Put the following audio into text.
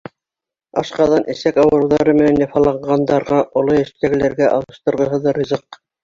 Ашҡаҙан-эсәк ауырыуҙары менән яфаланғандарға, оло йәштәгеләргә алыштырғыһыҙ ризыҡ.